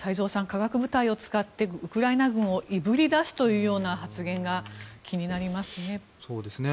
化学部隊を使ってウクライナ軍をいぶり出すというような発言が気になりますね。